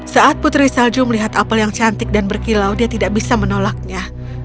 saat putri salju melihat apel yang cantik dan berkilau dia tidak bisa menolaknya